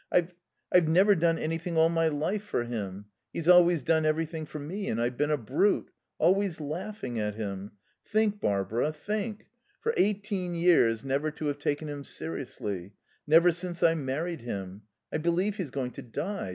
I've I've never done anything all my life for him. He's always done everything for me. And I've been a brute. Always laughing at him.... Think, Barbara, think; for eighteen years never to have taken him seriously. Never since I married him.... I believe he's going to die.